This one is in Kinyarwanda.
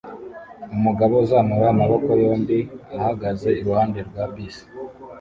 Umugabo uzamura amaboko yombi ahagaze iruhande rwa bisi